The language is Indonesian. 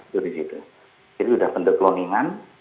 jadi sudah benda cloningan